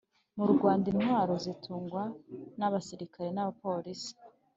mu Rwanda intwaro zitugwa na basirikare na polisi